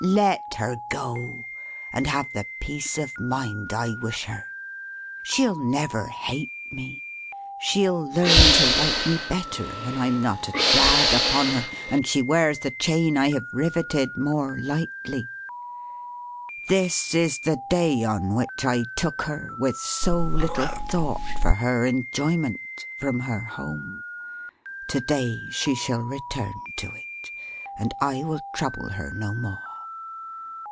Let her go, and have the peace of mind I wish her! She'll never hate me. She'll learn to like me better, when I'm not a drag upon her, and she wears the chain I have rivetted, more lightly. This is the day on which I took her, with so little thought for her enjoyment, from her home. To day she shall return to it; and I will trouble her no more.